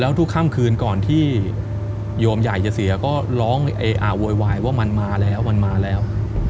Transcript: ทุกค่ำคืนก่อนที่โยมใหญ่จะเสียก็ร้องโวยวายว่ามันมาแล้วมันมาแล้ว